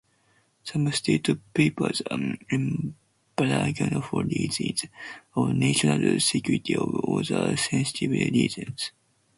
Some state papers are embargoed for reasons of national security or other sensitive reasons.